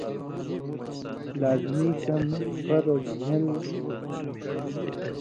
لازمی کمہۡ (فرض)گھِن٘ل تھو؟